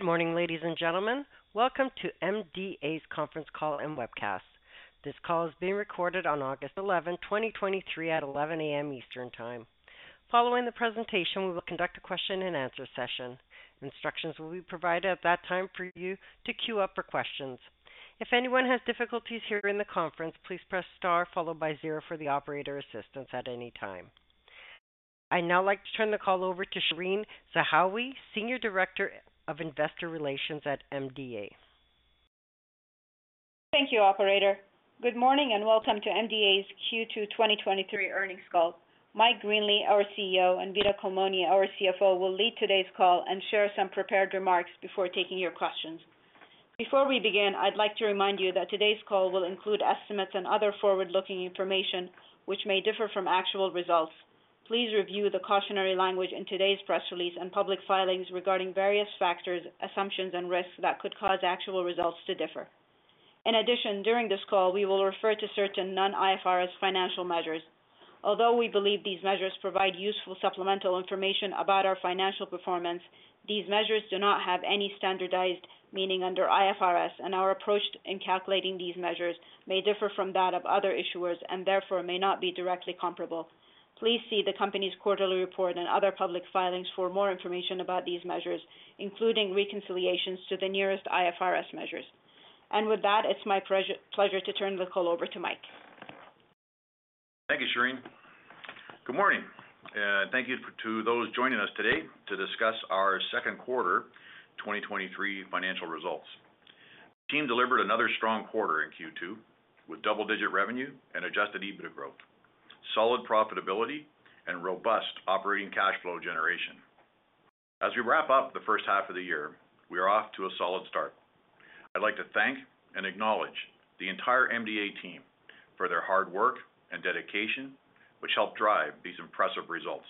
Good morning, ladies and gentlemen. Welcome to MDA's conference call and webcast. This call is being recorded on August 11, 2023 at 11:00 A.M. Eastern Time. Following the presentation, we will conduct a question-and-answer session. Instructions will be provided at that time for you to queue up for questions. If anyone has difficulties hearing the conference, please press star followed by zero for the operator assistance at any time. I'd now like to turn the call over to Shereen Zahawi, Senior Director of Investor Relations at MDA. Thank you, operator. Good morning, welcome to MDA's Q2 2023 Earnings Call. Mike Greenley, our CEO, and Vito Culmone, our CFO, will lead today's call and share some prepared remarks before taking your questions. Before we begin, I'd like to remind you that today's call will include estimates and other forward-looking information which may differ from actual results. Please review the cautionary language in today's press release and public filings regarding various factors, assumptions, and risks that could cause actual results to differ. In addition, during this call, we will refer to certain non-IFRS financial measures. Although we believe these measures provide useful supplemental information about our financial performance, these measures do not have any standardized meaning under IFRS, and our approach in calculating these measures may differ from that of other issuers and therefore may not be directly comparable. Please see the company's quarterly report and other public filings for more information about these measures, including reconciliations to the nearest IFRS measures. With that, it's my pleasure to turn the call over to Mike. Thank you, Shereen. Good morning, and thank you to those joining us today to discuss our second quarter 2023 financial results. The team delivered another strong quarter in Q2 with double-digit revenue and adjusted EBITDA growth, solid profitability, and robust operating cash flow generation. As we wrap up the first half of the year, we are off to a solid start. I'd like to thank and acknowledge the entire MDA team for their hard work and dedication, which helped drive these impressive results.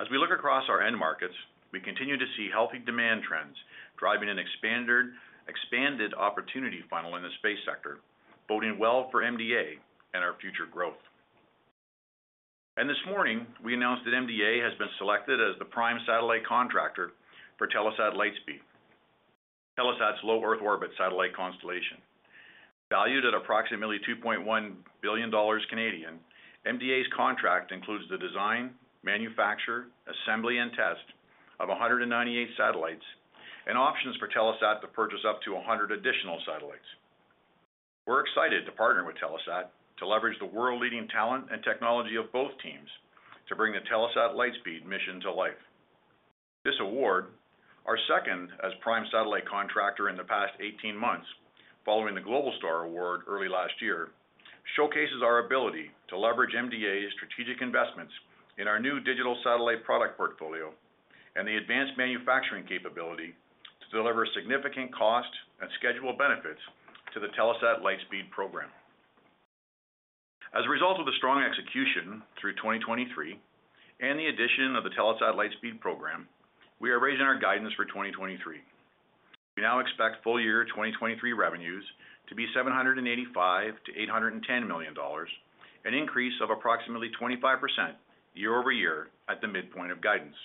As we look across our end markets, we continue to see healthy demand trends driving an expanded opportunity funnel in the space sector, boding well for MDA and our future growth. This morning, we announced that MDA has been selected as the prime satellite contractor for Telesat Lightspeed, Telesat's low Earth orbit satellite constellation. Valued at approximately 2.1 billion Canadian dollars, MDA's contract includes the design, manufacture, assembly, and test of 198 satellites and options for Telesat to purchase up to 100 additional satellites. We're excited to partner with Telesat to leverage the world-leading talent and technology of both teams to bring the Telesat Lightspeed mission to life. This award, our second as prime satellite contractor in the past 18 months, following the Globalstar award early last year, showcases our ability to leverage MDA's strategic investments in our new digital satellite product portfolio and the advanced manufacturing capability to deliver significant cost and schedule benefits to the Telesat Lightspeed program. As a result of the strong execution through 2023 and the addition of the Telesat Lightspeed program, we are raising our guidance for 2023. We now expect full-year 2023 revenues to be $785 million-$810 million, an increase of approximately 25% year-over-year at the midpoint of guidance.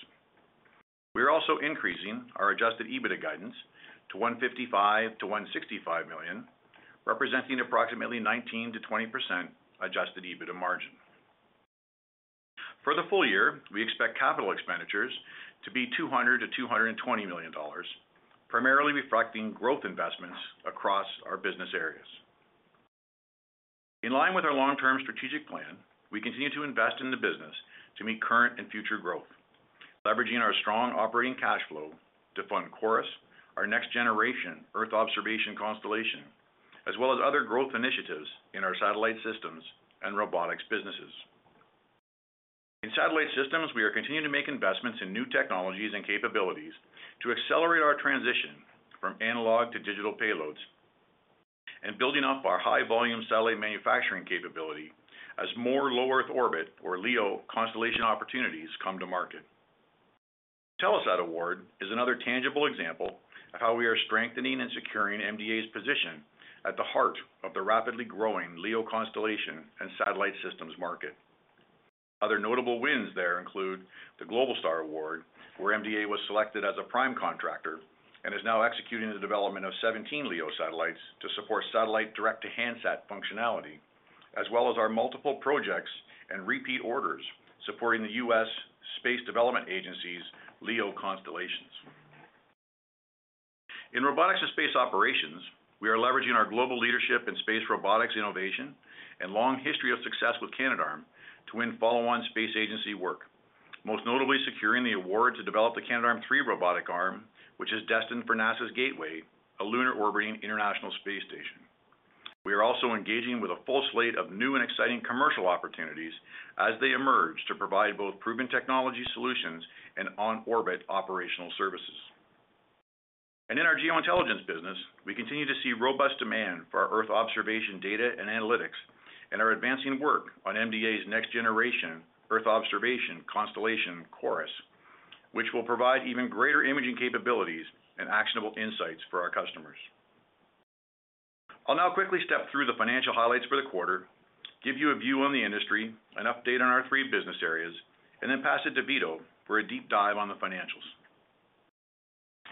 We are also increasing our adjusted EBITDA guidance to $155 million-$165 million, representing approximately 19%-20% adjusted EBITDA margin. For the full year, we expect capital expenditures to be $200 million-$220 million, primarily reflecting growth investments across our business areas. In line with our long-term strategic plan, we continue to invest in the business to meet current and future growth, leveraging our strong operating cash flow to fund Chorus, our next-generation Earth observation constellation, as well as other growth initiatives in our satellite systems and robotics businesses. In satellite systems, we are continuing to make investments in new technologies and capabilities to accelerate our transition from analog to digital payloads and building up our high-volume satellite manufacturing capability as more low-Earth orbit, or LEO, constellation opportunities come to market. The Telesat award is another tangible example of how we are strengthening and securing MDA's position at the heart of the rapidly growing LEO constellation and satellite systems market. Other notable wins there include the Globalstar award, where MDA was selected as a prime contractor and is now executing the development of 17 LEO satellites to support satellite direct-to-handset functionality, as well as our multiple projects and repeat orders supporting the U.S. Space Development Agency's LEO constellations. In robotics and space operations, we are leveraging our global leadership in space robotics innovation and long history of success with Canadarm to win follow-on space agency work, most notably securing the award to develop the Canadarm3 robotic arm, which is destined for NASA's Gateway, a lunar-orbiting International Space Station. In our Geointelligence business, we continue to see robust demand for our Earth observation data and analytics and are advancing work on MDA's next-generation Earth observation constellation, Chorus, which will provide even greater imaging capabilities and actionable insights for our customers. I'll now quickly step through the financial highlights for the quarter, give you a view on the industry, an update on our three business areas, and then pass it to Vito for a deep dive on the financials.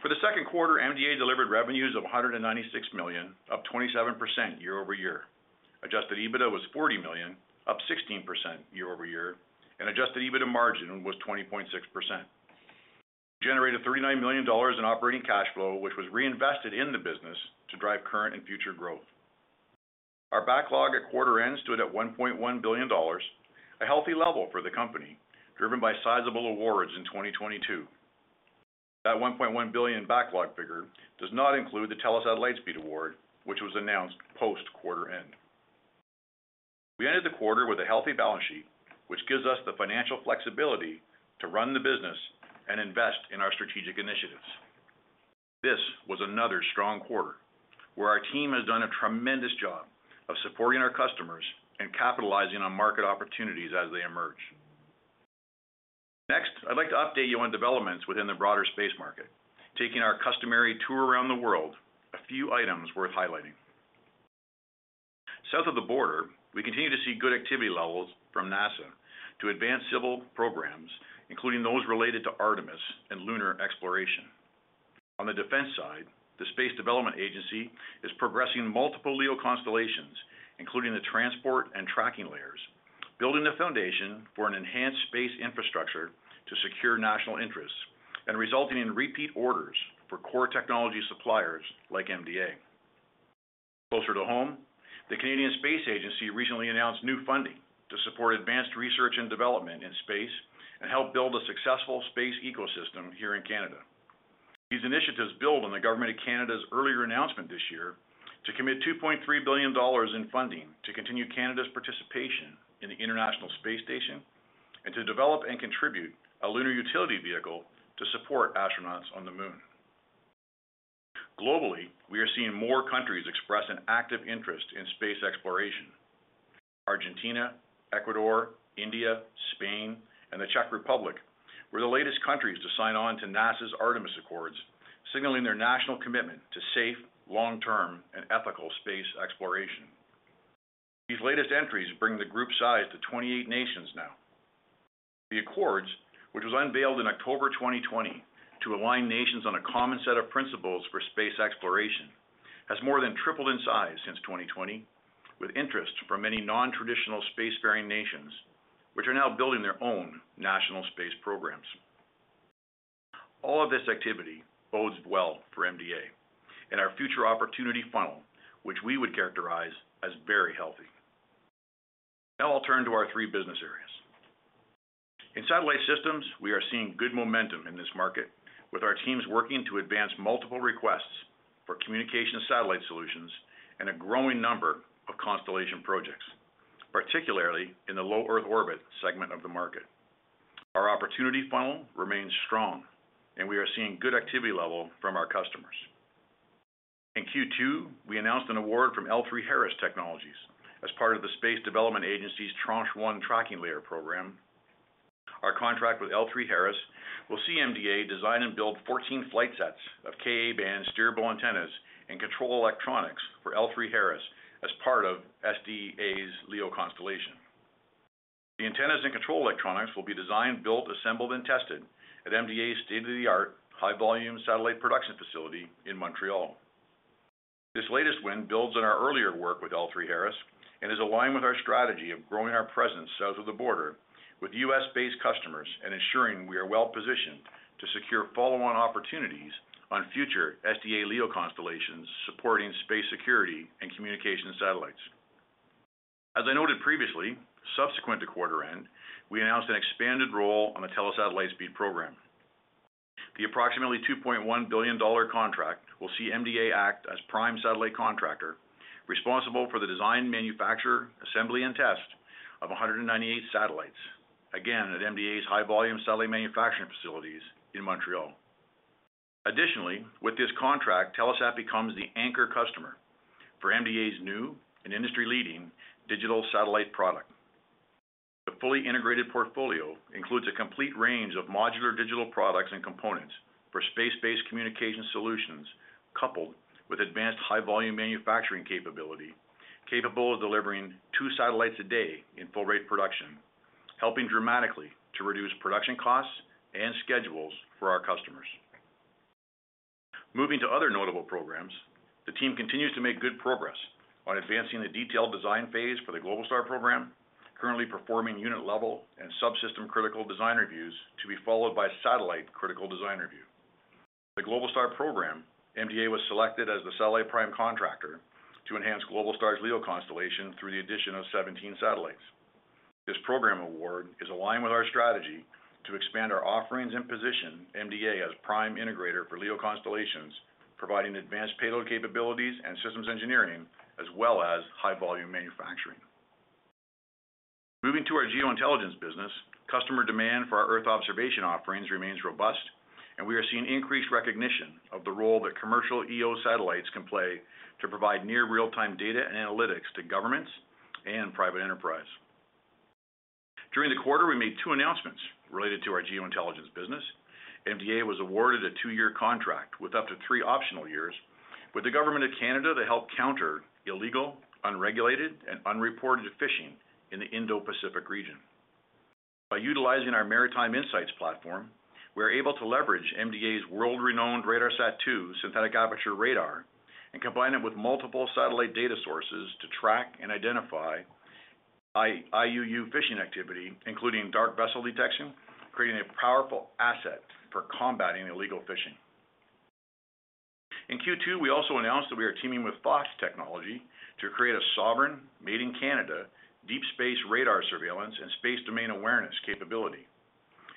For the second quarter, MDA delivered revenues of $196 million, up 27% year-over-year. adjusted EBITDA was $40 million, up 16% year-over-year, and adjusted EBITDA margin was 20.6%. We generated $39 million in operating cash flow, which was reinvested in the business to drive current and future growth. Our backlog at quarter end stood at $1.1 billion, a healthy level for the company, driven by sizable awards in 2022. That $1.1 billion backlog figure does not include the Telesat Lightspeed award, which was announced post-quarter end. We ended the quarter with a healthy balance sheet, which gives us the financial flexibility to run the business and invest in our strategic initiatives. This was another strong quarter, where our team has done a tremendous job of supporting our customers and capitalizing on market opportunities as they emerge. Next, I'd like to update you on developments within the broader space market. Taking our customary tour around the world, a few items worth highlighting. South of the border, we continue to see good activity levels from NASA to advance civil programs, including those related to Artemis and lunar exploration. On the defense side, the Space Development Agency is progressing multiple LEO constellations, including the Transport and Tracking Layers, building the foundation for an enhanced space infrastructure to secure national interests and resulting in repeat orders for core technology suppliers like MDA. Closer to home, the Canadian Space Agency recently announced new funding to support advanced research and development in space and help build a successful space ecosystem here in Canada. These initiatives build on the Government of Canada's earlier announcement this year to commit 2.3 billion dollars in funding to continue Canada's participation in the International Space Station, and to develop and contribute a Lunar Utility Vehicle to support astronauts on the moon. Globally, we are seeing more countries express an active interest in space exploration. Argentina, Ecuador, India, Spain, and the Czech Republic were the latest countries to sign on to NASA's Artemis Accords, signaling their national commitment to safe, long-term, and ethical space exploration. These latest entries bring the group size to 28 nations now. The Artemis Accords, which was unveiled in October 2020, to align nations on a common set of principles for space exploration, has more than tripled in size since 2020, with interest from many non-traditional space-faring nations, which are now building their own national space programs. All of this activity bodes well for MDA and our future opportunity funnel, which we would characterize as very healthy. I'll turn to our three business areas. In satellite systems, we are seeing good momentum in this market, with our teams working to advance multiple requests for communication satellite solutions and a growing number of constellation projects, particularly in the low Earth orbit segment of the market. Our opportunity funnel remains strong, and we are seeing good activity level from our customers. In Q2, we announced an award from L3Harris Technologies as part of the Space Development Agency's Tranche 1 Tracking Layer program. Our contract with L3Harris will see MDA design and build 14 flight sets of Ka-band steerable antennas and control electronics for L3Harris as part of SDA's LEO constellation. The antennas and control electronics will be designed, built, assembled, and tested at MDA's state-of-the-art, high-volume satellite production facility in Montreal. This latest win builds on our earlier work with L3Harris and is aligned with our strategy of growing our presence south of the border with U.S.-based customers and ensuring we are well-positioned to secure follow-on opportunities on future SDA LEO constellations, supporting space security and communication satellites. As I noted previously, subsequent to quarter end, we announced an expanded role on the Telesat Lightspeed program. The approximately $2.1 billion contract will see MDA act as prime satellite contractor, responsible for the design, manufacture, assembly, and test of 198 satellites, again, at MDA's high-volume satellite manufacturing facilities in Montreal. Additionally, with this contract, Telesat becomes the anchor customer for MDA's new and industry-leading digital satellite product. The fully integrated portfolio includes a complete range of modular digital products and components for space-based communication solutions, coupled with advanced high-volume manufacturing capability, capable of delivering two satellites a day in full rate production, helping dramatically to reduce production costs and schedules for our customers. Moving to other notable programs, the team continues to make good progress on advancing the detailed design phase for the Globalstar program, currently performing unit level and subsystem critical design reviews, to be followed by satellite critical design review. The Globalstar program, MDA was selected as the satellite prime contractor to enhance Globalstar's LEO constellation through the addition of 17 satellites. This program award is aligned with our strategy to expand our offerings and position MDA as prime integrator for LEO constellations, providing advanced payload capabilities and systems engineering, as well as high-volume manufacturing. Moving to our Geointelligence business, customer demand for our Earth observation offerings remains robust, and we are seeing increased recognition of the role that commercial EO satellites can play to provide near real-time data and analytics to governments and private enterprise. During the quarter, we made two announcements related to our Geointelligence business. MDA was awarded a two-year contract with up to three optional years with the Government of Canada to help counter illegal, unregulated, and unreported fishing in the Indo-Pacific region. By utilizing our Maritime Insights platform, we are able to leverage MDA's world-renowned RADARSAT-2 synthetic aperture radar and combine it with multiple satellite data sources to track and identify IUU fishing activity, including dark vessel detection, creating a powerful asset for combating illegal fishing. In Q2, we also announced that we are teaming with Thoth Technology to create a sovereign, made-in-Canada, deep space radar surveillance and space domain awareness capability.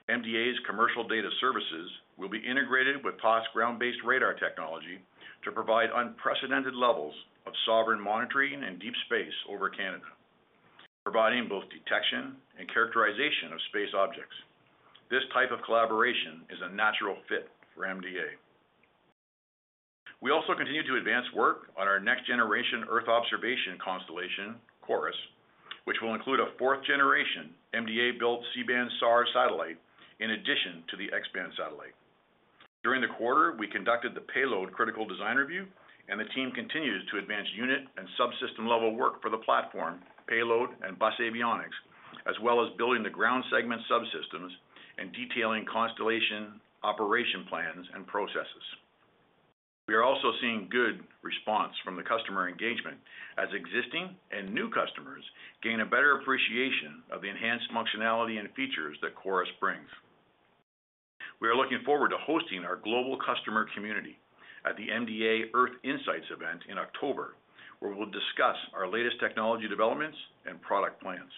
MDA's commercial data services will be integrated with Thoth's ground-based radar technology to provide unprecedented levels of sovereign monitoring and deep space over Canada, providing both detection and characterization of space objects. This type of collaboration is a natural fit for MDA. We also continue to advance work on our next-generation Earth observation constellation, Chorus, which will include a fourth-generation MDA-built C-band SAR satellite in addition to the X-band satellite. During the quarter, we conducted the payload critical design review, and the team continues to advance unit and subsystem-level work for the platform, payload, and bus avionics, as well as building the ground segment subsystems and detailing constellation operation plans and processes. We are also seeing good response from the customer engagement as existing and new customers gain a better appreciation of the enhanced functionality and features that Chorus brings. We are looking forward to hosting our global customer community at the MDA Earth Insights event in October, where we'll discuss our latest technology developments and product plans.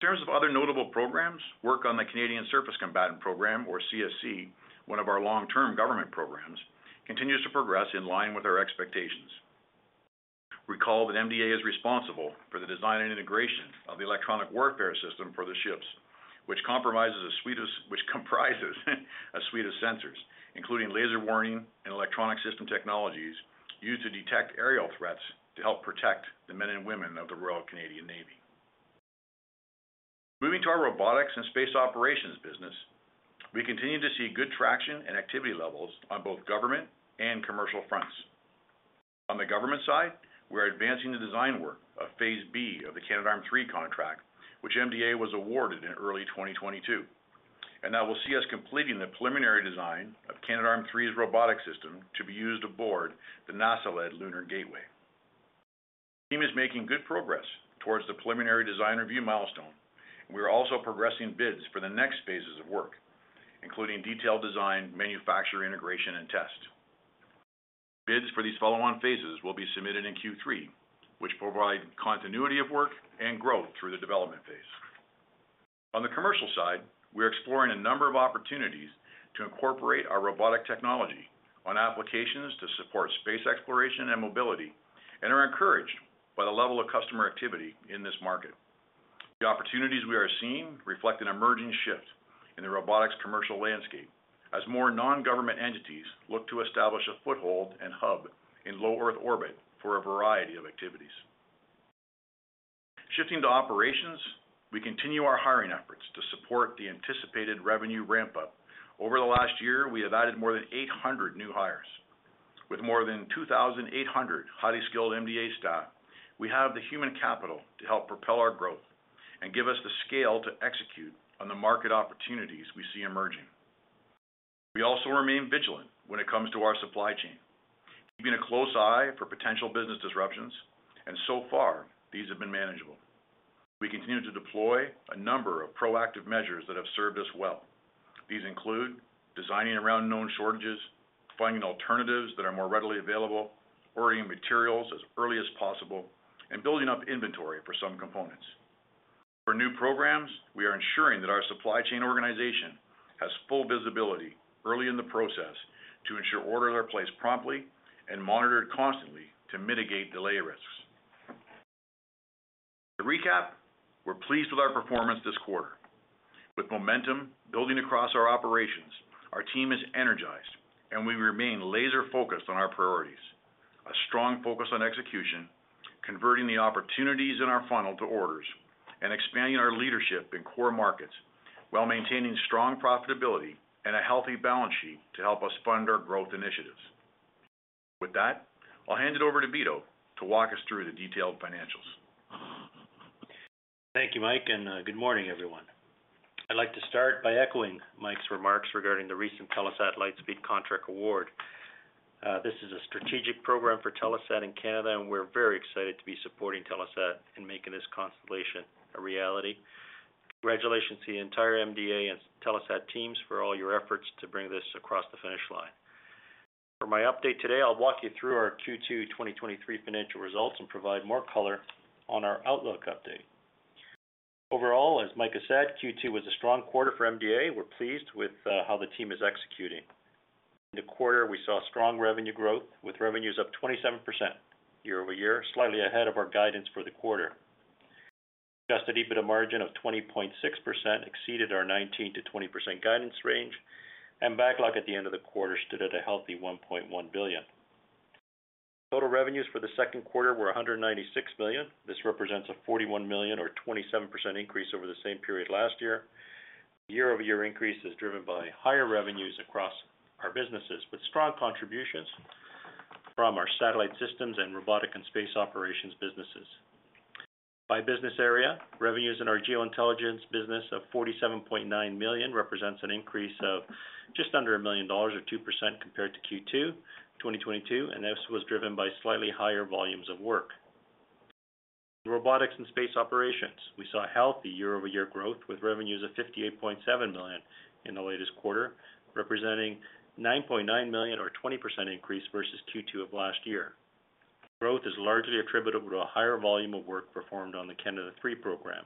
In terms of other notable programs, work on the Canadian Surface Combatant program, or CSC, one of our long-term government programs, continues to progress in line with our expectations. Recall that MDA is responsible for the design and integration of the electronic warfare system for the ships, which comprises, a suite of sensors, including laser warning and electronic system technologies used to detect aerial threats to help protect the men and women of the Royal Canadian Navy. Moving to our robotics and space operations business, we continue to see good traction and activity levels on both government and commercial fronts. On the government side, we are advancing the design work of phase B of the Canadarm3 contract, which MDA was awarded in early 2022, and that will see us completing the preliminary design of Canadarm3's robotic system to be used aboard the NASA-led Lunar Gateway. The team is making good progress towards the preliminary design review milestone. We are also progressing bids for the next phases of work, including detailed design, manufacture, integration, and test. Bids for these follow-on phases will be submitted in Q3, which provide continuity of work and growth through the development phase. On the commercial side, we are exploring a number of opportunities to incorporate our robotic technology on applications to support space exploration and mobility, and are encouraged by the level of customer activity in this market. The opportunities we are seeing reflect an emerging shift in the robotics commercial landscape as more non-government entities look to establish a foothold and hub in low Earth orbit for a variety of activities. Shifting to operations, we continue our hiring efforts to support the anticipated revenue ramp-up. Over the last year, we have added more than 800 new hires. With more than 2,800 highly skilled MDA staff, we have the human capital to help propel our growth and give us the scale to execute on the market opportunities we see emerging. We also remain vigilant when it comes to our supply chain, keeping a close eye for potential business disruptions, and so far, these have been manageable. We continue to deploy a number of proactive measures that have served us well. These include designing around known shortages, finding alternatives that are more readily available, ordering materials as early as possible, and building up inventory for some components. For new programs, we are ensuring that our supply chain organization has full visibility early in the process to ensure orders are placed promptly and monitored constantly to mitigate delay risks. To recap, we're pleased with our performance this quarter. With momentum building across our operations, our team is energized, and we remain laser-focused on our priorities. A strong focus on execution, converting the opportunities in our funnel to orders, and expanding our leadership in core markets while maintaining strong profitability and a healthy balance sheet to help us fund our growth initiatives. With that, I'll hand it over to Vito to walk us through the detailed financials. Thank you, Mike. Good morning, everyone. I'd like to start by echoing Mike's remarks regarding the recent Telesat Lightspeed contract award. This is a strategic program for Telesat in Canada, and we're very excited to be supporting Telesat in making this constellation a reality. Congratulations to the entire MDA and Telesat teams for all your efforts to bring this across the finish line. For my update today, I'll walk you through our Q2 2023 financial results and provide more color on our outlook update. Overall, as Mike has said, Q2 was a strong quarter for MDA. We're pleased with how the team is executing. In the quarter, we saw strong revenue growth, with revenues up 27% year-over-year, slightly ahead of our guidance for the quarter. Adjusted EBITDA margin of 20.6% exceeded our 19%-20% guidance range. Backlog at the end of the quarter stood at a healthy 1.1 billion. Total revenues for the second quarter were 196 million. This represents a 41 million, or 27% increase over the same period last year. Year-over-year increase is driven by higher revenues across our businesses, with strong contributions from our satellite systems and robotic and space operations businesses. By business area, revenues in our Geointelligence business of 47.9 million represents an increase of just under 1 million dollars, or 2% compared to Q2 2022. This was driven by slightly higher volumes of work. Robotics and space operations, we saw a healthy year-over-year growth with revenues of $58.7 million in the latest quarter, representing $9.9 million or 20% increase versus Q2 of last year. Growth is largely attributable to a higher volume of work performed on the Canadarm3 program.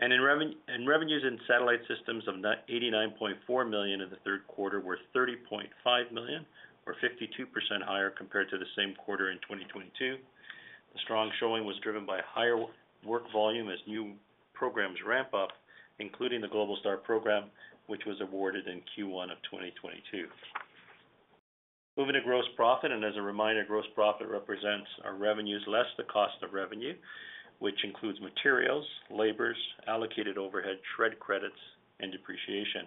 Revenues in satellite systems of $89.4 million in the third quarter were $30.5 million, or 52% higher compared to the same quarter in 2022. The strong showing was driven by higher work volume as new programs ramp up, including the Globalstar program, which was awarded in Q1 of 2022. Moving to gross profit, as a reminder, gross profit represents our revenues less the cost of revenue, which includes materials, labors, allocated overhead, SRED credits, and depreciation.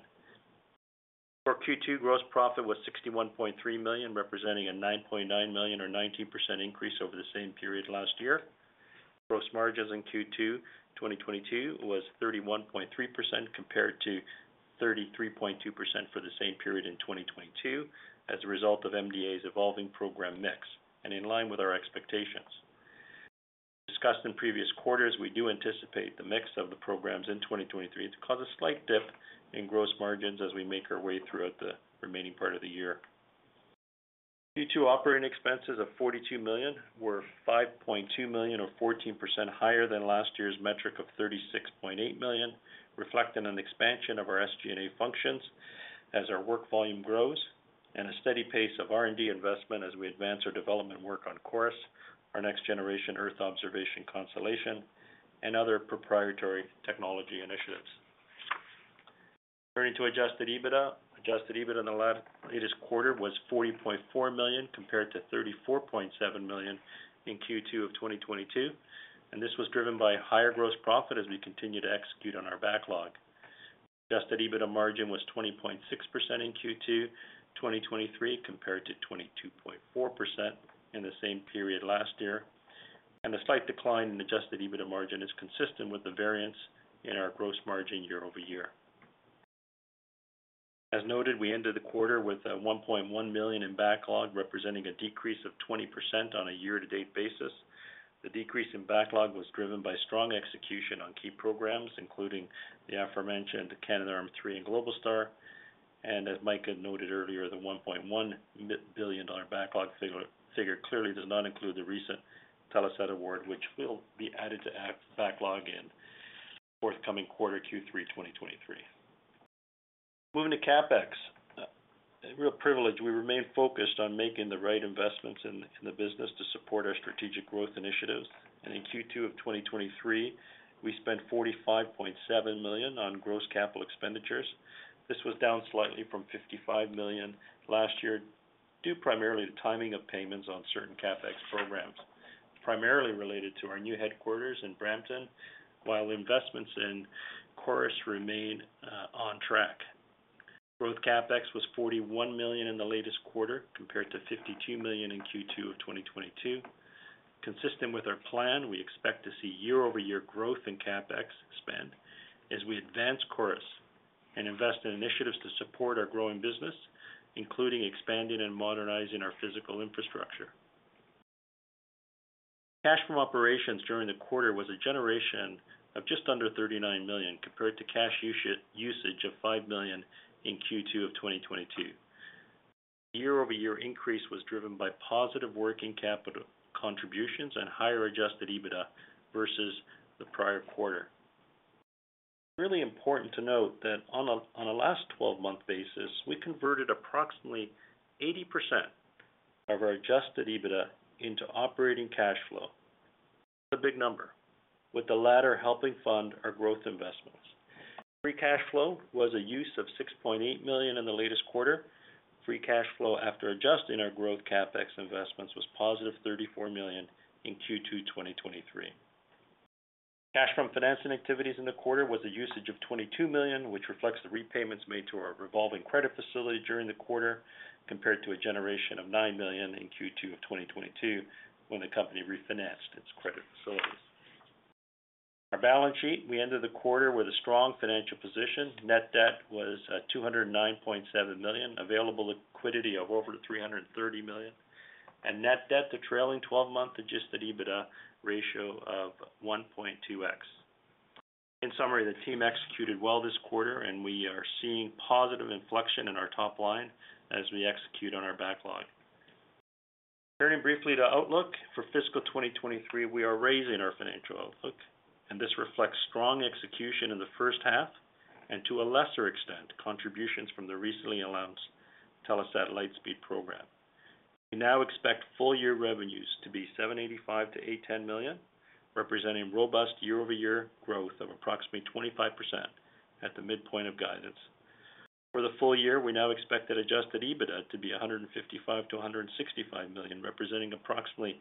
For Q2, gross profit was 61.3 million, representing a 9.9 million or 19% increase over the same period last year. Gross margins in Q2 2022 was 31.3% compared to 33.2% for the same period in 2022, as a result of MDA's evolving program mix and in line with our expectations. Discussed in previous quarters, we do anticipate the mix of the programs in 2023 to cause a slight dip in gross margins as we make our way throughout the remaining part of the year. Q2 operating expenses of 42 million were 5.2 million, or 14% higher than last year's metric of 36.8 million, reflecting an expansion of our SG&A functions as our work volume grows and a steady pace of R&D investment as we advance our development work on Chorus, our next-generation Earth observation constellation, and other proprietary technology initiatives. Turning to adjusted EBITDA. Adjusted EBITDA in the last latest quarter was 40.4 million, compared to 34.7 million in Q2 of 2022. This was driven by higher gross profit as we continue to execute on our backlog. Adjusted EBITDA margin was 20.6% in Q2 2023, compared to 22.4% in the same period last year. A slight decline in adjusted EBITDA margin is consistent with the variance in our gross margin year-over-year. As noted, we ended the quarter with $1.1 million in backlog, representing a decrease of 20% on a year-to-date basis. The decrease in backlog was driven by strong execution on key programs, including the aforementioned Canadarm3 and Globalstar. As Mike noted earlier, the $1.1 billion backlog figure clearly does not include the recent Telesat award, which will be added to backlog in forthcoming Q3 2023. Moving to CapEx. A real privilege. We remain focused on making the right investments in the business to support our strategic growth initiatives. In Q2 of 2023, we spent $45.7 million on gross capital expenditures. This was down slightly from $55 million last year, due primarily to timing of payments on certain CapEx programs, primarily related to our new headquarters in Brampton, while investments in Chorus remain on track. Growth CapEx was $41 million in the latest quarter, compared to $52 million in Q2 of 2022. Consistent with our plan, we expect to see year-over-year growth in CapEx spend as we advance course and invest in initiatives to support our growing business, including expanding and modernizing our physical infrastructure. Cash from operations during the quarter was a generation of just under $39 million, compared to cash usage of $5 million in Q2 of 2022. Year-over-year increase was driven by positive working capital contributions and higher adjusted EBITDA versus the prior quarter. Really important to note that on a last twelve-month basis, we converted approximately 80% of our adjusted EBITDA into operating cash flow. A big number, with the latter helping fund our growth investments. Free cash flow was a use of 6.8 million in the latest quarter. Free cash flow, after adjusting our growth CapEx investments, was positive 34 million in Q2 2023. Cash from financing activities in the quarter was a usage of 22 million, which reflects the repayments made to our revolving credit facility during the quarter, compared to a generation of 9 million in Q2 2022, when the company refinanced its credit facilities. Our balance sheet, we ended the quarter with a strong financial position. Net debt was $209.7 million, available liquidity of over $330 million, and net debt to trailing twelve-month adjusted EBITDA ratio of 1.2x. In summary, the team executed well this quarter, and we are seeing positive inflection in our top line as we execute on our backlog. Turning briefly to outlook for fiscal 2023, we are raising our financial outlook. This reflects strong execution in the first half and, to a lesser extent, contributions from the recently announced Telesat Lightspeed program. We now expect full-year revenues to be $785 million-$810 million, representing robust year-over-year growth of approximately 25% at the midpoint of guidance. For the full year, we now expect that adjusted EBITDA to be $155 million-$165 million, representing approximately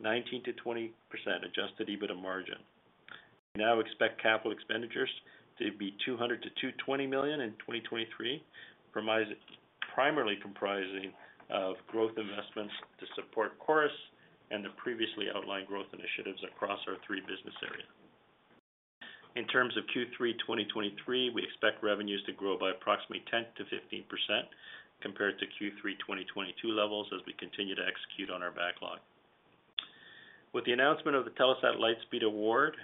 19%-20% adjusted EBITDA margin. We now expect capital expenditures to be 200 million-220 million in 2023, primarily comprising of growth investments to support Chorus and the previously outlined growth initiatives across our three business areas. In terms of Q3-2023, we expect revenues to grow by approximately 10%-15% compared to Q3-2022 levels, as we continue to execute on our backlog. With the announcement of the Telesat Lightspeed award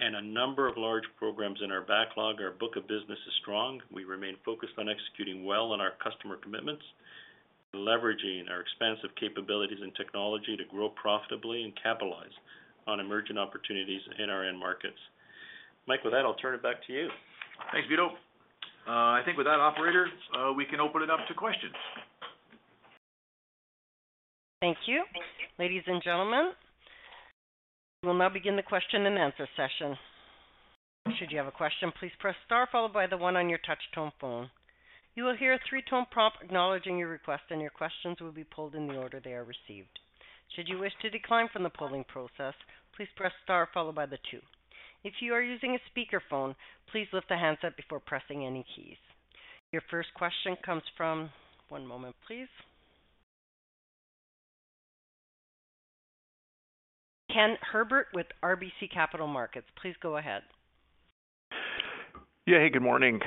and a number of large programs in our backlog, our book of business is strong. We remain focused on executing well on our customer commitments and leveraging our expansive capabilities and technology to grow profitably and capitalize on emerging opportunities in our end markets. Mike, with that, I'll turn it back to you. Thanks, Vito. I think with that, operator, we can open it up to questions. Thank you. Ladies and gentlemen, we'll now begin the question-and-answer session. Should you have a question, please press star, followed by the one on your touch tone phone. You will hear a three-tone prompt acknowledging your request, and your questions will be pulled in the order they are received. Should you wish to decline from the polling process, please press star followed by the two. If you are using a speakerphone, please lift the handset before pressing any keys. Your first question comes from... One moment, please. Ken Herbert with RBC Capital Markets. Please go ahead. Yeah, hey, good morning.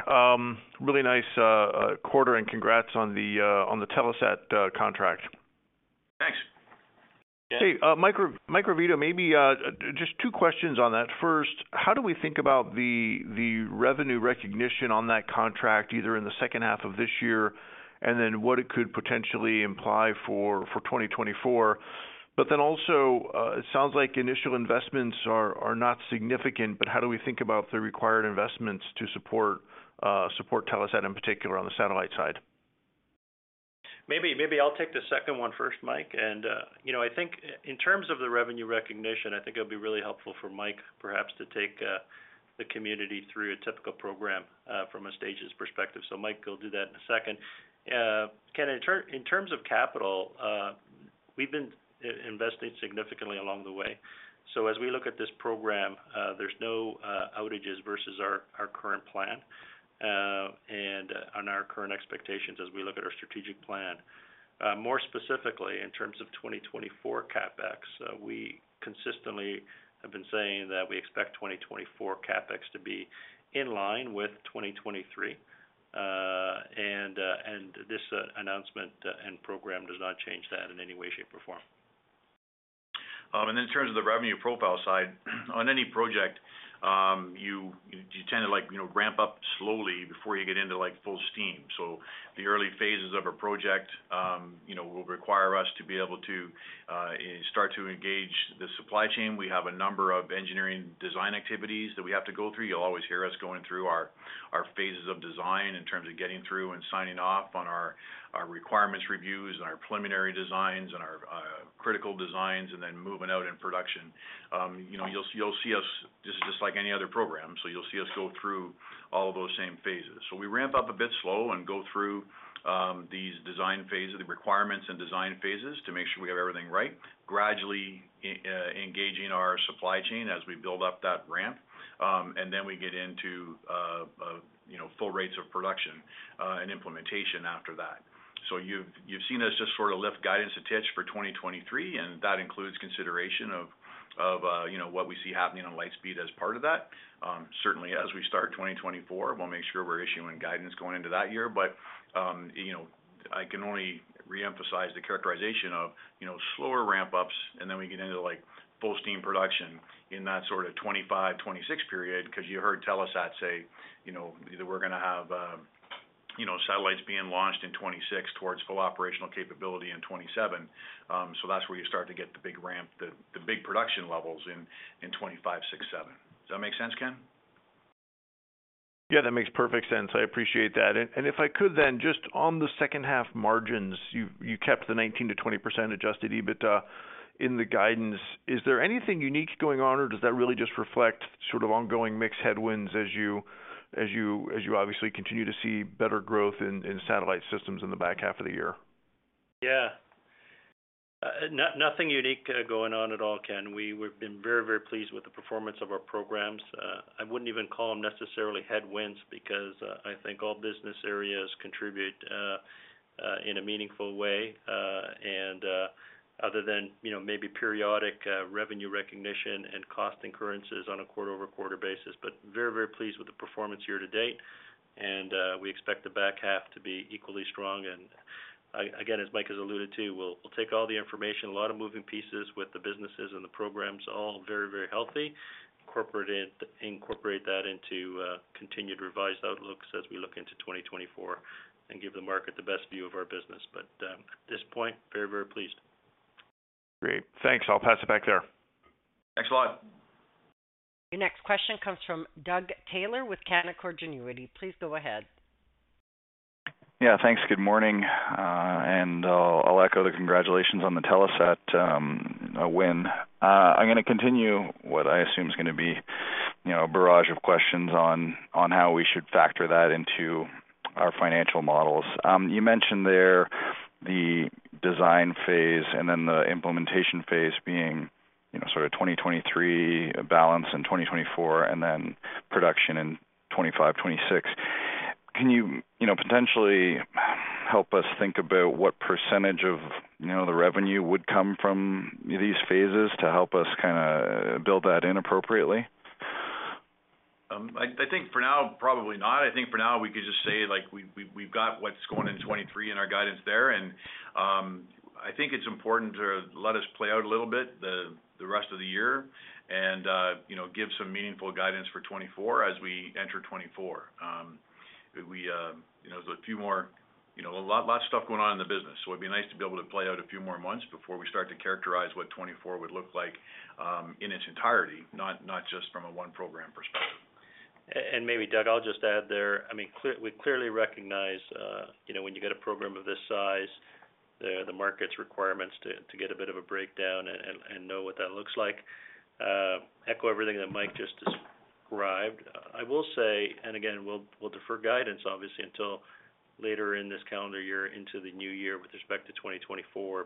really nice quarter, and congrats on the on the Telesat contract. Thanks. Hey, Mike, Mike Vito, maybe, just two questions on that. First, how do we think about the, the revenue recognition on that contract, either in the second half of this year, and then what it could potentially imply for, for 2024? Then also, it sounds like initial investments are, are not significant, but how do we think about the required investments to support, support Telesat in particular on the satellite side? Maybe, maybe I'll take the second one first, Mike. You know, I think in terms of the revenue recognition, I think it'll be really helpful for Mike perhaps to take the community through a typical program from a stages perspective. Mike, go do that in a second. Ken, in terms of capital, we've been investing significantly along the way. As we look at this program, there's no outages versus our current plan and on our current expectations as we look at our strategic plan. More specifically, in terms of 2024 CapEx, we consistently have been saying that we expect 2024 CapEx to be in line with 2023. This announcement and program does not change that in any way, shape, or form. In terms of the revenue profile side, on any project, you, you tend to like, you know, ramp up slowly before you get into, like, full steam. The early phases of a project, you know, will require us to be able to start to engage the supply chain. We have a number of engineering design activities that we have to go through. You'll always hear us going through our, our phases of design in terms of getting through and signing off on our, our requirements reviews and our preliminary designs and our critical designs, and then moving out in production. You know, you'll, you'll see us, this is just like any other program, so you'll see us go through all those same phases. We ramp up a bit slow and go through these design phases, the requirements and design phases, to make sure we have everything right, gradually engaging our supply chain as we build up that ramp. And then we get into, you know, full rates of production and implementation after that. You've, you've seen us just sort of lift guidance a touch for 2023, and that includes consideration of, of, you know, what we see happening on Lightspeed as part of that. Certainly as we start 2024, we'll make sure we're issuing guidance going into that year. You know, I can only reemphasize the characterization of, you know, slower ramp-ups, and then we get into, like, full steam production in that sort of 2025, 2026 period, because you heard Telesat say, you know, that we're going to have, you know, satellites being launched in 2026 towards full operational capability in 2027. That's where you start to get the big ramp, the, the big production levels in, in 2025, 2026, 2027. Does that make sense, Ken? Yeah, that makes perfect sense. I appreciate that. If I could then, just on the second half margins, you kept the 19%-20% adjusted EBITDA in the guidance. Is there anything unique going on, or does that really just reflect sort of ongoing mix headwinds as you obviously continue to see better growth in satellite systems in the back half of the year? Yeah. Nothing unique going on at all, Ken. We've been very, very pleased with the performance of our programs. I wouldn't even call them necessarily headwinds because I think all business areas contribute in a meaningful way, and other than, you know, maybe periodic revenue recognition and cost incurrences on a quarter-over-quarter basis. Very, very pleased with the performance year-to-date, and we expect the back half to be equally strong. Again, as Mike has alluded to, we'll, we'll take all the information, a lot of moving pieces with the businesses and the programs, all very, very healthy, incorporate that into continued revised outlooks as we look into 2024 and give the market the best view of our business. At this point, very, very pleased. Great. Thanks. I'll pass it back there. Thanks a lot. Your next question comes from Doug Taylor with Canaccord Genuity. Please go ahead. Yeah, Thanks. Good morning. I'll echo the congratulations on the Telesat win. I'm gonna continue what I assume is gonna be, you know, a barrage of questions on how we should factor that into our financial models. You mentioned there the design phase and then the implementation phase being, you know, sort of 2023, a balance in 2024, and then production in 2025, 2026. Can you, you know, potentially help us think about what percentage of, you know, the revenue would come from these phases to help us kinda build that in appropriately? I, I think for now, probably not. I think for now, we could just say, like, we, we, we've got what's going in 2023 in our guidance there. I think it's important to let us play out a little bit, the, the rest of the year and, you know, give some meaningful guidance for 2024 as we enter 2024. We, you know, there's a few more- you know, a lot, lot of stuff going on in the business, so it'd be nice to be able to play out a few more months before we start to characterize what 2024 would look like, in its entirety, not, not just from a one program perspective. Maybe, Doug, I'll just add there. I mean, we clearly recognize, you know, when you get a program of this size, the, the market's requirements to, to get a bit of a breakdown and, and, and know what that looks like. Echo everything that Mike just described. I will say, again, we'll, we'll defer guidance, obviously, until later in this calendar year, into the new year with respect to 2024.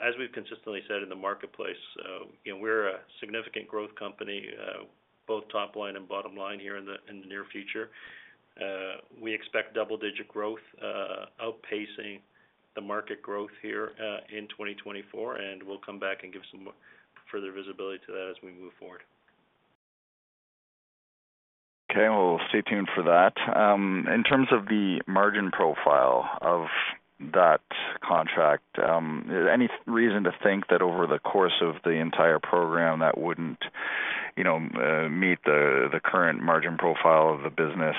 As we've consistently said in the marketplace, you know, we're a significant growth company, both top line and bottom line here in the, in the near future. We expect double-digit growth, outpacing the market growth here, in 2024, and we'll come back and give some more further visibility to that as we move forward. Okay, we'll stay tuned for that. In terms of the margin profile of that contract, any reason to think that over the course of the entire program, that wouldn't, you know, meet the, the current margin profile of the business,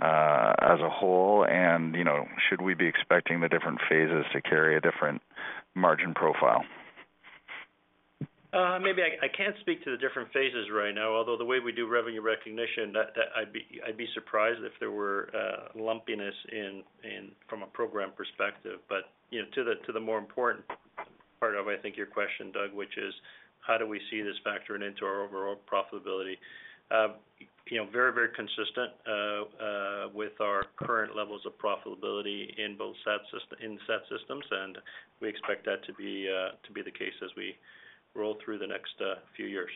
as a whole? You know, should we be expecting the different phases to carry a different margin profile? Maybe I, I can't speak to the different phases right now, although the way we do revenue recognition, that, that I'd be, I'd be surprised if there were lumpiness in, in from a program perspective. You know, to the, to the more important part of, I think, your question, Doug, which is, how do we see this factoring into our overall profitability? You know, very, very consistent with our current levels of profitability in both in sat systems, and we expect that to be to be the case as we roll through the next few years.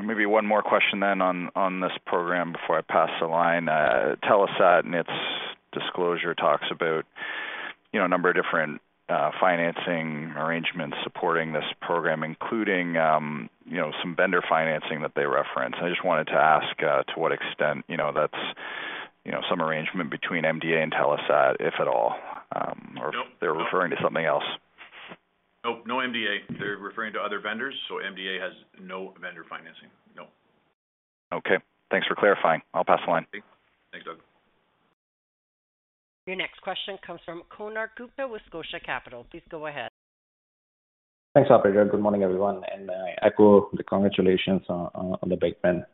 Maybe one more question then on, on this program before I pass the line. Telesat and its disclosure talks about, you know, a number of different financing arrangements supporting this program, including, you know, some vendor financing that they reference. I just wanted to ask to what extent, you know, that's, you know, some arrangement between MDA and Telesat, if at all? Nope They're referring to something else. Nope, no MDA. They're referring to other vendors, so MDA has no vendor financing. No. Okay. Thanks for clarifying. I'll pass the line. Thanks, Doug. Your next question comes from Konark Gupta with Scotia Capital. Please go ahead. Thanks, operator. Good morning, everyone, and I echo the congratulations on, on, on the big win.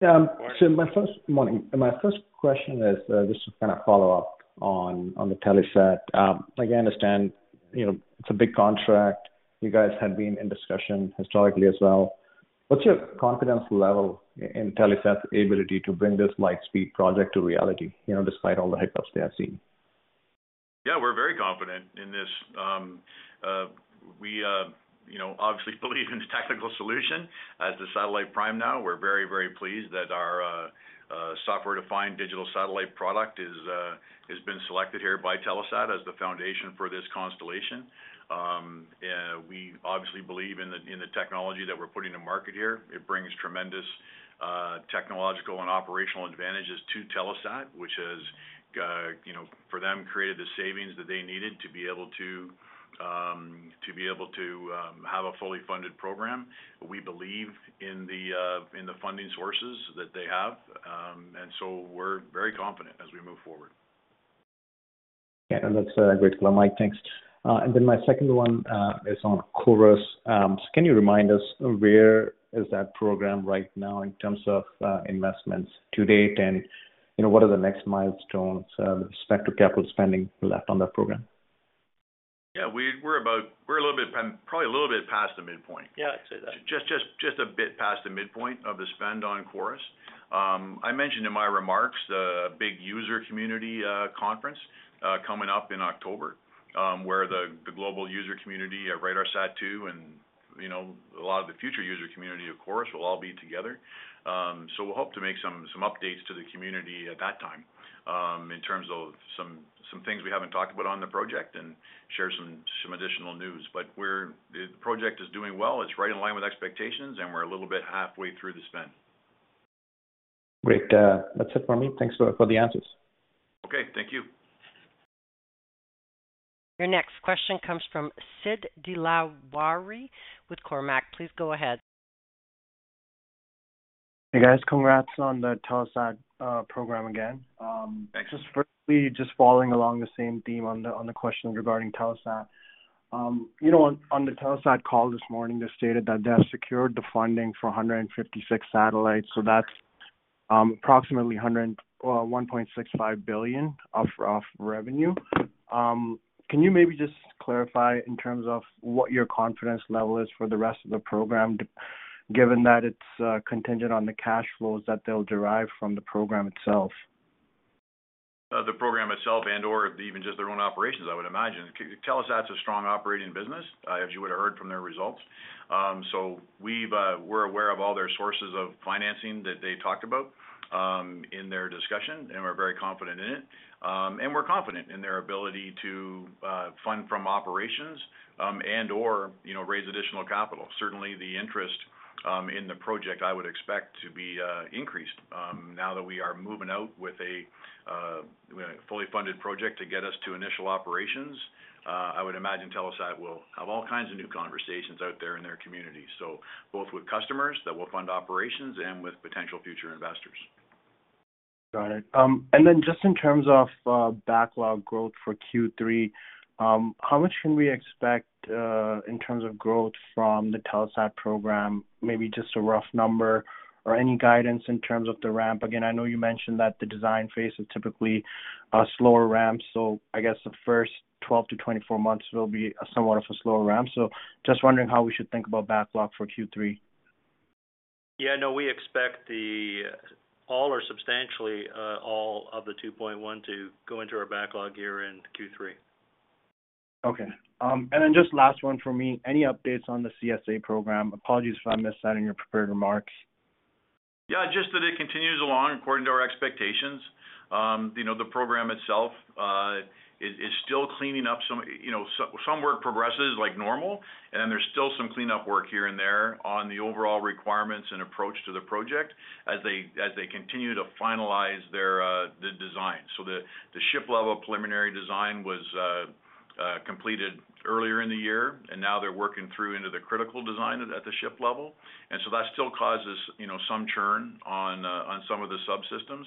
My first question is just to kind of follow up on, on the Telesat. I understand, you know, it's a big contract. You guys had been in discussion historically as well. What's your confidence level in Telesat's ability to bring this Lightspeed project to reality, you know, despite all the hiccups they have seen? Yeah, we're very confident in this. We, you know, obviously believe in the technical solution as the satellite prime. We're very, very pleased that our software-defined digital satellite product is has been selected here by Telesat as the foundation for this constellation. We obviously believe in the technology that we're putting to market here. It brings tremendous technological and operational advantages to Telesat, which has, you know, for them, created the savings that they needed to be able to be able to have a fully funded program. We believe in the funding sources that they have. We're very confident as we move forward. Yeah, that's great, Mike, thanks. Then my second one is on Chorus. Can you remind us, where is that program right now in terms of investments to date, and, you know, what are the next milestones with respect to capital spending left on that program? Yeah, we're probably a little bit past the midpoint. Yeah, I'd say that. Just a bit past the midpoint of the spend on Chorus. I mentioned in my remarks the big user community conference coming up in October, where the global user community at RADARSAT-2 and, you know, a lot of the future user community, of course, will all be together. We'll hope to make some updates to the community at that time, in terms of some things we haven't talked about on the project and share some additional news. The project is doing well. It's right in line with expectations, and we're a little bit halfway through the spend. Great. That's it for me. Thanks for, for the answers. Okay, thank you. Your next question comes from Sid Dilawari with Cormark. Please go ahead. Hey, guys. Congrats on the Telesat program again. Thanks. Just firstly, just following along the same theme on the question regarding Telesat. You know, on the Telesat call this morning, they stated that they have secured the funding for 156 satellites, so that's approximately 1.65 billion of revenue. Can you maybe just clarify in terms of what your confidence level is for the rest of the program, given that it's contingent on the cash flows that they'll derive from the program itself? The program itself and, or even just their own operations, I would imagine. Telesat's a strong operating business, as you would have heard from their results. We've, we're aware of all their sources of financing that they talked about, in their discussion, and we're very confident in it. We're confident in their ability to fund from operations, and/or, you know, raise additional capital. Certainly, the interest, in the project, I would expect to be increased, now that we are moving out with a fully funded project to get us to initial operations. I would imagine Telesat will have all kinds of new conversations out there in their community, so both with customers that will fund operations and with potential future investors. Got it. Just in terms of backlog growth for Q3, how much can we expect in terms of growth from the Telesat program? Maybe just a rough number or any guidance in terms of the ramp. Again, I know you mentioned that the design phase is typically a slower ramp, I guess the first 12 months-24 months will be somewhat of a slower ramp. Just wondering how we should think about backlog for Q3. Yeah, no, we expect the all or substantially, all of the $2.1 to go into our backlog here in Q3. Okay. Then just last one for me. Any updates on the CSA program? Apologies if I missed that in your prepared remarks. Yeah, just that it continues along according to our expectations. You know, the program itself is, is still cleaning up some, you know, some, some work progresses like normal, and there's still some cleanup work here and there on the overall requirements and approach to the project as they, as they continue to finalize their design. The, the ship-level preliminary design was completed earlier in the year, and now they're working through into the critical design at, at the ship level. That still causes, you know, some churn on some of the subsystems.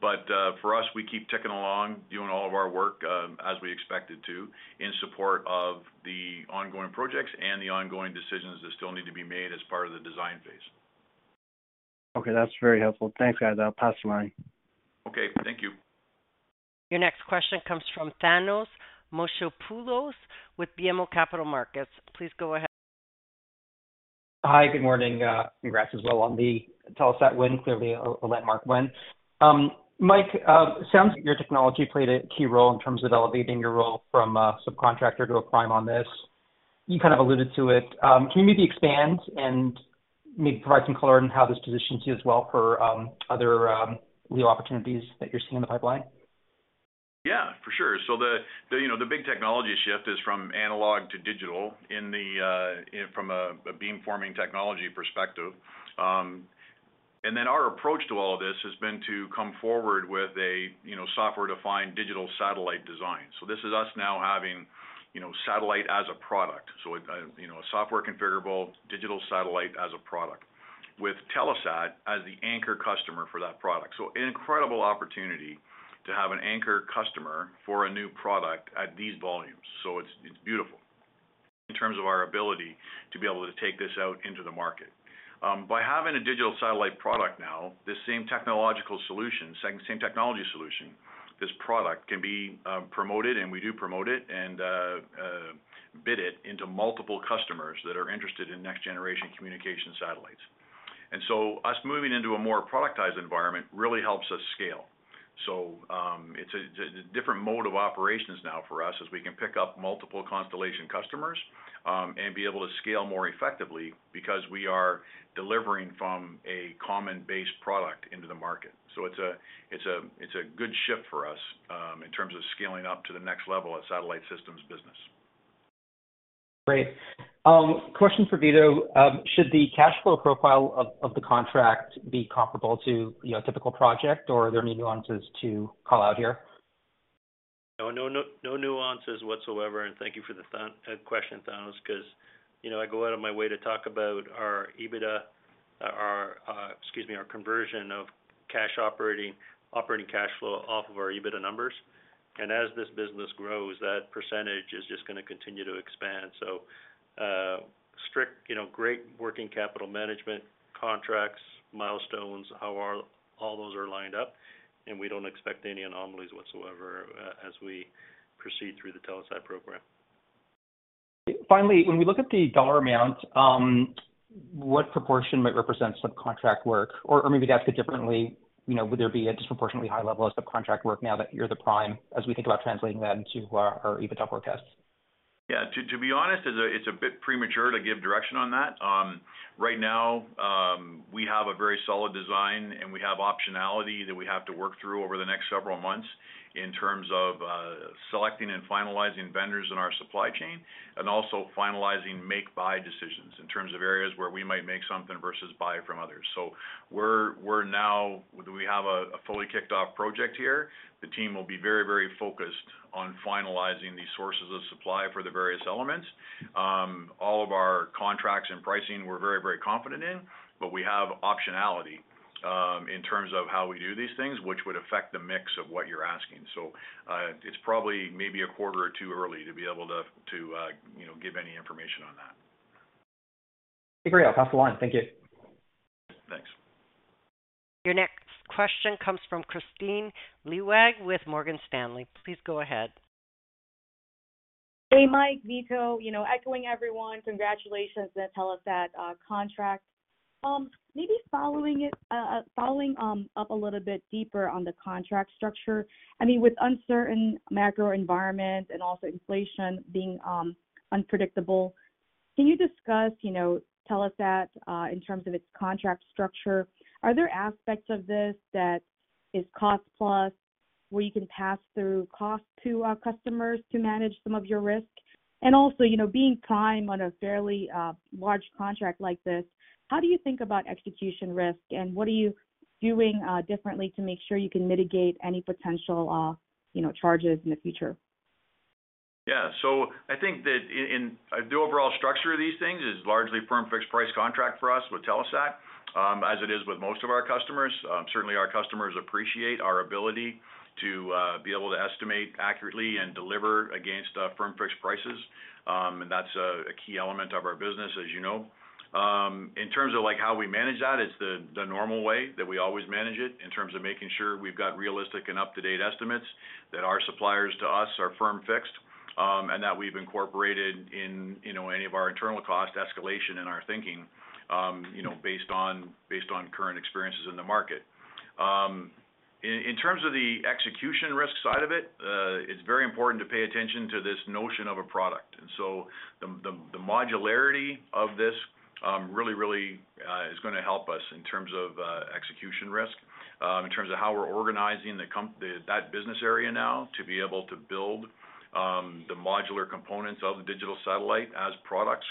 For us, we keep ticking along, doing all of our work, as we expected to, in support of the ongoing projects and the ongoing decisions that still need to be made as part of the design phase. Okay, that's very helpful. Thanks, guys. I'll pass the line. Okay, thank you. Your next question comes from Thanos Moschopoulos with BMO Capital Markets. Please go ahead. Hi, good morning. Congrats as well on the Telesat win, clearly a, a landmark win. Mike, sounds your technology played a key role in terms of elevating your role from a subcontractor to a prime on this. You kind of alluded to it. Can you maybe expand and maybe provide some color on how this positions you as well for other new opportunities that you're seeing in the pipeline? Yeah, for sure. The, you know, the big technology shift is from analog to digital in the, from a beamforming technology perspective. And then our approach to all of this has been to come forward with a, you know, software-defined digital satellite design. This is us now having, you know, satellite as a product. You know, a software configurable digital satellite as a product, with Telesat as the anchor customer for that product. An incredible opportunity to have an anchor customer for a new product at these volumes. It's, it's beautiful in terms of our ability to be able to take this out into the market. By having a digital satellite product now, this same technological solution, this product can be promoted, and we do promote it and bid it into multiple customers that are interested in next-generation communication satellites. Us moving into a more productized environment really helps us scale. It's a, it's a different mode of operations now for us, as we can pick up multiple constellation customers and be able to scale more effectively because we are delivering from a common base product into the market. It's a, it's a, it's a good shift for us in terms of scaling up to the next level at satellite systems business. Great. question for Vito. Should the cash flow profile of the contract be comparable to, you know, a typical project, or are there any nuances to call out here? No, no, no nuances whatsoever, and thank you for the question, Thanos, because, you know, I go out of my way to talk about our EBITDA, our, excuse me, our conversion of cash operating, operating cash flow off of our EBITDA numbers. As this business grows, that percentage is just gonna continue to expand. Strict, you know, great working capital management, contracts, milestones, all those are lined up, and we don't expect any anomalies whatsoever as we proceed through the Telesat program. Finally, when we look at the dollar amount, what proportion might represent subcontract work? Or maybe to ask it differently, you know, would there be a disproportionately high level of subcontract work now that you're the prime, as we think about translating that into our, our EBITDA forecasts? Yeah. To, to be honest, it's a, it's a bit premature to give direction on that. Right now, we have a very solid design, and we have optionality that we have to work through over the next several months in terms of selecting and finalizing vendors in our supply chain, and also finalizing make buy decisions in terms of areas where we might make something versus buy from others. We're, we have a fully kicked-off project here. The team will be very, very focused on finalizing these sources of supply for the various elements. All of our contracts and pricing we're very, very confident in, but we have optionality in terms of how we do these things, which would affect the mix of what you're asking. It's probably maybe a quarter or too early to be able to, to, you know, give any information on that. Agree, I'll pass the line. Thank you. Thanks. Your next question comes from Kristine Liwag with Morgan Stanley. Please go ahead. Hey, Mike, Vito. You know, echoing everyone, congratulations on that Telesat contract. Maybe following it, following up a little bit deeper on the contract structure. I mean, with uncertain macro environment and also inflation being unpredictable, can you discuss, you know, tell us that, in terms of its contract structure, are there aspects of this that is cost-plus, where you can pass through costs to customers to manage some of your risk? Also, you know, being prime on a fairly large contract like this, how do you think about execution risk, and what are you doing differently to make sure you can mitigate any potential, you know, charges in the future? Yeah, I think that in, in the overall structure of these things is largely firm fixed-price contract for us with Telesat, as it is with most of our customers. Certainly our customers appreciate our ability to be able to estimate accurately and deliver against firm fixed-prices. That's a key element of our business, as you know. In terms of, like, how we manage that, it's the normal way that we always manage it, in terms of making sure we've got realistic and up-to-date estimates, that our suppliers to us are firm fixed-price, and that we've incorporated in, you know, any of our internal cost escalation in our thinking, you know, based on, based on current experiences in the market. In terms of the execution risk side of it, it's very important to pay attention to this notion of a product. The modularity of this, really, really, is gonna help us in terms of execution risk, in terms of how we're organizing that business area now to be able to build the modular components of the digital satellite as products,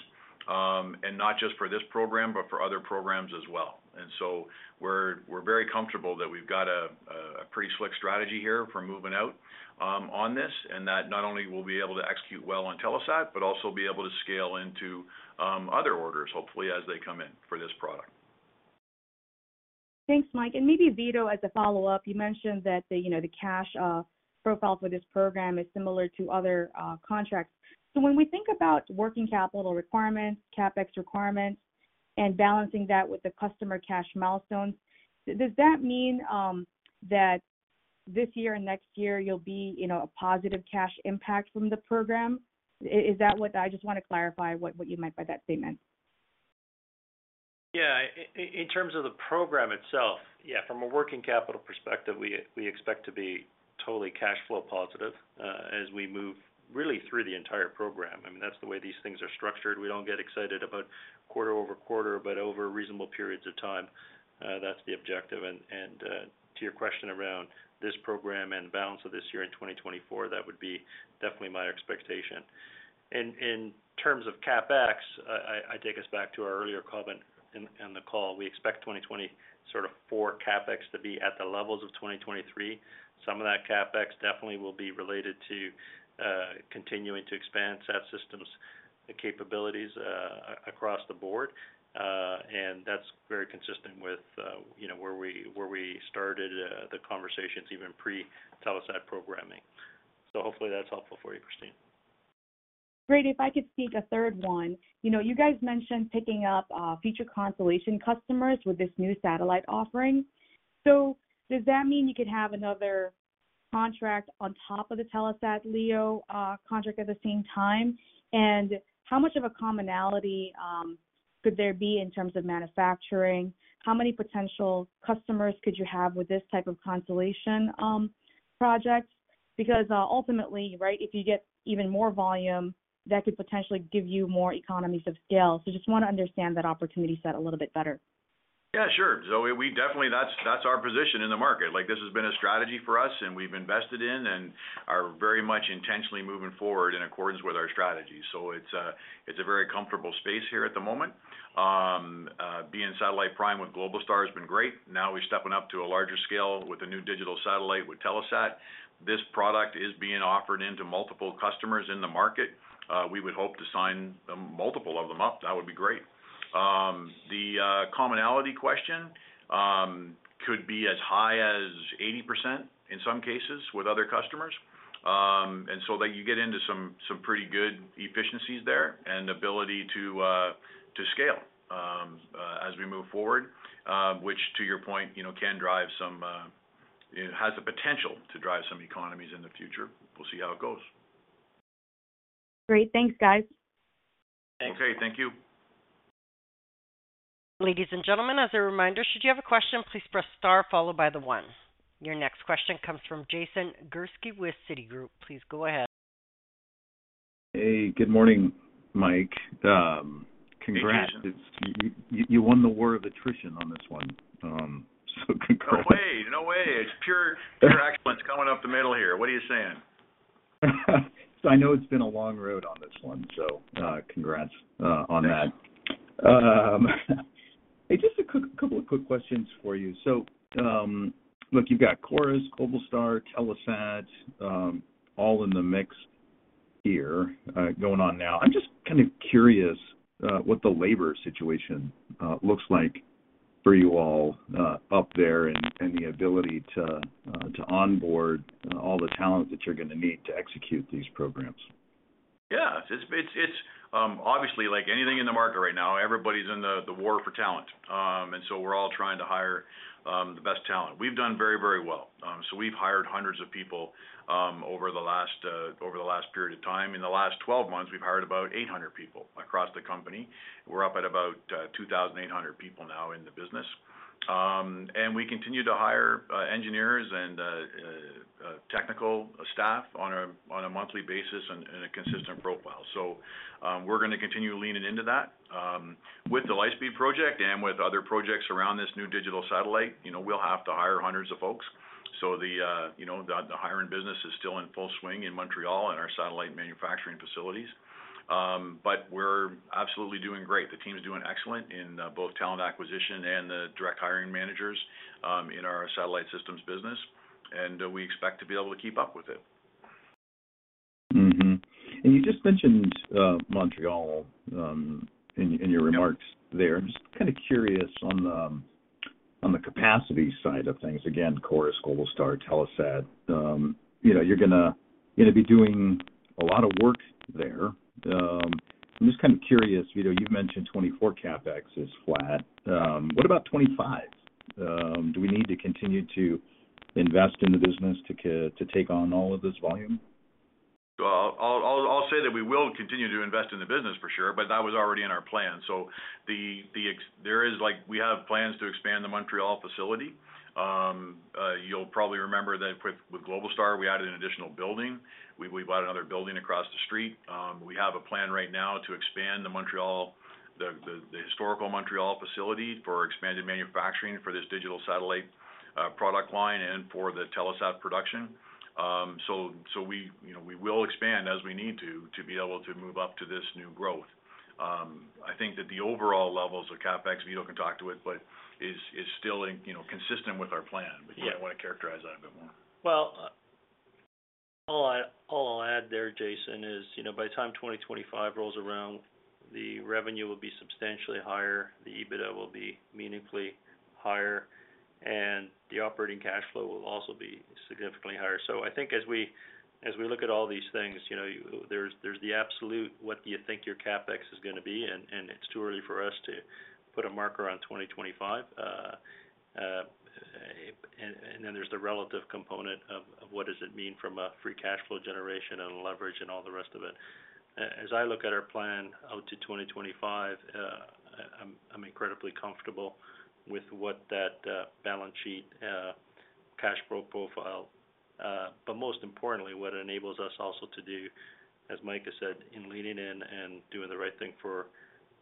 and not just for this program, but for other programs as well. We're very comfortable that we've got a pretty slick strategy here for moving out on this, and that not only we'll be able to execute well on Telesat, but also be able to scale into other orders, hopefully, as they come in for this product. Thanks, Mike. Maybe Vito, as a follow-up, you mentioned that the, you know, the cash profile for this program is similar to other contracts. When we think about working capital requirements, CapEx requirements, and balancing that with the customer cash milestones, does that mean that this year and next year you'll be, you know, a positive cash impact from the program? Is, is that what? I just want to clarify what, what you meant by that statement. Yeah. In terms of the program itself, yeah, from a working capital perspective, we, we expect to be totally cash flow positive, as we move really through the entire program. I mean, that's the way these things are structured. We don't get excited about quarter-over-quarter, but over reasonable periods of time, that's the objective. And, to your question around this program and balance of this year in 2024, that would be definitely my expectation. In terms of CapEx, I, I, I take us back to our earlier comment in, in the call. We expect 2024 sort of CapEx to be at the levels of 2023. Some of that CapEx definitely will be related to, continuing to expand SAT systems capabilities, across the board. That's very consistent with, you know, where we, where we started, the conversations, even pre-Telesat programming. Hopefully that's helpful for you, Kristine. Great. If I could sneak a third one. You know, you guys mentioned picking up future constellation customers with this new satellite offering. Does that mean you could have another contract on top of the Telesat LEO contract at the same time? How much of a commonality could there be in terms of manufacturing? How many potential customers could you have with this type of constellation project? Ultimately, right, if you get even more volume, that could potentially give you more economies of scale. Just want to understand that opportunity set a little bit better. Yeah, sure. We, we definitely, that's, that's our position in the market. Like, this has been a strategy for us, and we've invested in and are very much intentionally moving forward in accordance with our strategy. It's a, it's a very comfortable space here at the moment. Being satellite prime with Globalstar has been great. Now we're stepping up to a larger scale with the new digital satellite with Telesat. This product is being offered into multiple customers in the market. We would hope to sign multiple of them up. That would be great. The commonality question could be as high as 80% in some cases with other customers. So that you get into some, some pretty good efficiencies there and the ability to to scale as we move forward, which to your point, you know, can drive some, it has the potential to drive some economies in the future. We'll see how it goes. Great. Thanks, guys. Okay. Thank you. Ladies and gentlemen, as a reminder, should you have a question, please press star followed by the one. Your next question comes from Jason Gursky with Citigroup. Please go ahead. Hey, good morning, Mike. Congrats. Hey, Jason. You, you, you won the war of attrition on this one. Congrats. No way! No way. It's pure, pure excellence coming up the middle here. What are you saying? I know it's been a long road on this one, so, congrats on that. Hey, just a quick, two quick questions for you. Look, you've got Chorus, Globalstar, Telesat, all in the mix here, going on now. I'm just kind of curious what the labor situation looks like for you all up there and, and the ability to onboard all the talent that you're gonna need to execute these programs? Yeah. It's, it's, it's, obviously, like anything in the market right now, everybody's in the, the war for talent. We're all trying to hire, the best talent. We've done very, very well. We've hired hundreds of people, over the last, over the last period of time. In the last 12 months, we've hired about 800 people across the company. We're up at about 2,800 people now in the business. We continue to hire, engineers and, technical staff on a, on a monthly basis and in a consistent profile. We're gonna continue leaning into that. With the Lightspeed project and with other projects around this new digital satellite, you know, we'll have to hire hundreds of folks. The, you know, the, the hiring business is still in full swing in Montreal and our satellite manufacturing facilities. We're absolutely doing great. The team is doing excellent in both talent acquisition and the direct hiring managers in our satellite systems business, and we expect to be able to keep up with it. Mm-hmm. You just mentioned Montreal in your remarks there. Just kind of curious on the capacity side of things, again, Chorus, Globalstar, Telesat, you know, you're gonna be doing a lot of work there. I'm just kind of curious, Vito, you've mentioned 2024 CapEx is flat. What about 2025? Do we need to continue to invest in the business to take on all of this volume? Well, I'll, I'll, I'll say that we will continue to invest in the business, for sure, but that was already in our plan. We have plans to expand the Montreal facility. You'll probably remember that with, with Globalstar, we added an additional building. We, we've added another building across the street. We have a plan right now to expand the Montreal, the, the, the historical Montreal facility for expanded manufacturing for this digital satellite, product line and for the Telesat production. We, you know, we will expand as we need to, to be able to move up to this new growth. I think that the overall levels of CapEx, Vito can talk to it, but is, is still in, you know, consistent with our plan. Yeah. You might want to characterize that a bit more. Well, all I, all I'll add there, Jason, is, you know, by the time 2025 rolls around, the revenue will be substantially higher, the EBITDA will be meaningfully higher, and the operating cash flow will also be significantly higher. I think as we, as we look at all these things, you know, there's, there's the absolute, what do you think your CapEx is gonna be? It's too early for us to put a marker on 2025. Then there's the relative component of, of what does it mean from a free cash flow generation and leverage and all the rest of it. As I look at our plan out to 2025, I'm incredibly comfortable with what that balance sheet, cash flow profile, but most importantly, what enables us also to do, as Mike has said, in leaning in and doing the right thing for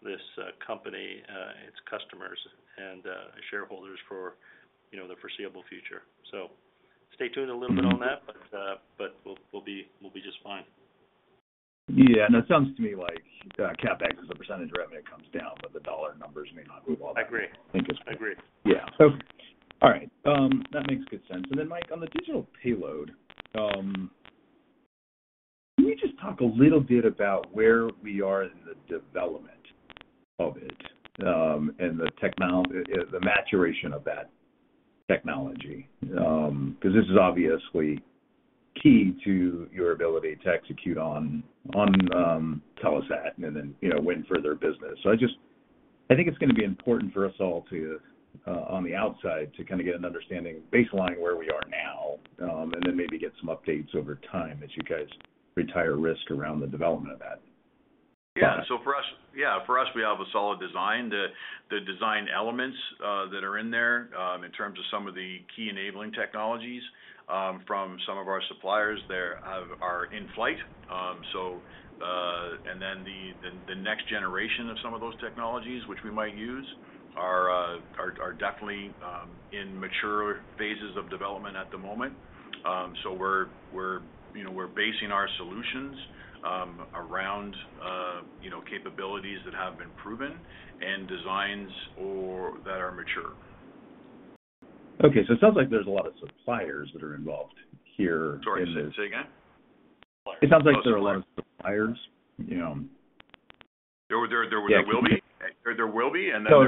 this company, its customers, and shareholders for, you know, the foreseeable future. Stay tuned a little bit on that- Mm-hmm. But we'll, we'll be, we'll be just fine. Yeah, it sounds to me like, CapEx, as a % of revenue, comes down, but the dollar numbers may not move all that. I agree. I think it's- I agree. Yeah. All right, that makes good sense. Then, Mike, on the digital payload, can you just talk a little bit about where we are in the development of it, and the maturation of that technology? Because this is obviously key to your ability to execute on, on Telesat and then, you know, win further business. I think it's gonna be important for us all to, on the outside, to kind of get an understanding, baseline where we are now, and then maybe get some updates over time as you guys retire risk around the development of that. Yeah. For us, yeah, for us, we have a solid design. The, the design elements, that are in there, in terms of some of the key enabling technologies, from some of our suppliers there, are in flight. And then the, the, the next generation of some of those technologies, which we might use, are, are, are definitely, in mature phases of development at the moment. We're, we're, you know, we're basing our solutions, around, you know, capabilities that have been proven and designs or that are mature. Okay, it sounds like there's a lot of suppliers that are involved here in this- Sorry, say again? It sounds like there are a lot of suppliers, you know? There, there, there will be. Yeah. There, there will be. So-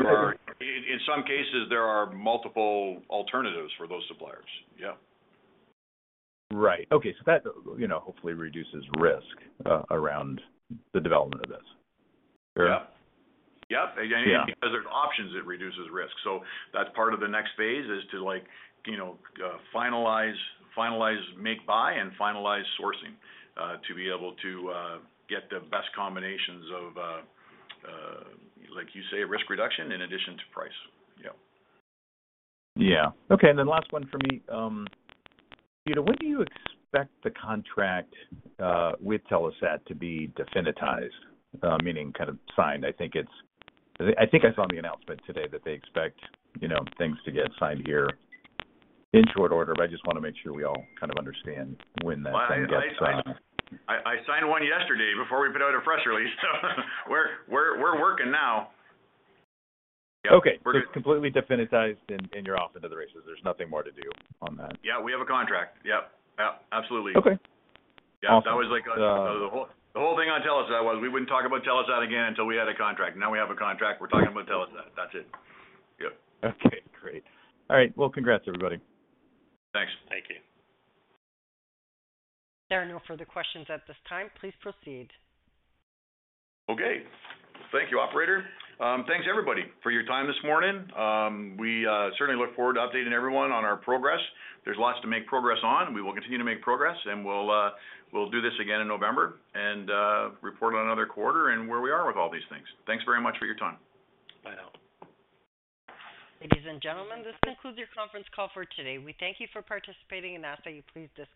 In some cases, there are multiple alternatives for those suppliers. Yeah. Right. Okay, that, you know, hopefully reduces risk around the development of this. Yeah. Yep. Yeah. Because there's options, it reduces risk. That's part of the next phase, is to like, you know, finalize, finalize, make, buy, and finalize sourcing, to be able to get the best combinations of, like you say, risk reduction in addition to price. Yeah. Yeah. Okay, then last one for me. Vito, when do you expect the contract with Telesat to be definitized, meaning kind of signed? I think it's... I think I saw in the announcement today that they expect, you know, things to get signed here in short order, but I just wanna make sure we all kind of understand when that thing gets signed? I, I, I, I signed one yesterday before we put out a press release, so we're, we're, we're working now. Yep. Okay. It's completely definitized, and, and you're off to the races. There's nothing more to do on that. Yeah, we have a contract. Yep. Yep, absolutely. Okay. Yeah. Awesome. That was, like, the whole, the whole thing on Telesat was we wouldn't talk about Telesat again until we had a contract. Now we have a contract, we're talking about Telesat. That's it. Yep. Okay, great. All right. Congrats, everybody. Thanks. Thank you. There are no further questions at this time. Please proceed. Okay. Thank you, operator. Thanks, everybody, for your time this morning. We certainly look forward to updating everyone on our progress. There's lots to make progress on. We will continue to make progress, and we'll, we'll do this again in November and report on another quarter and where we are with all these things. Thanks very much for your time. Bye now. Ladies and gentlemen, this concludes your conference call for today. We thank you for participating and ask that you please disconnect.